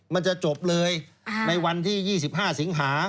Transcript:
มันจะจบเลยในวันที่๒๕สิงหา